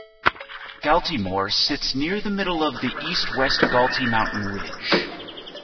Galtymore sits near the middle of the east-west Galty mountain ridge.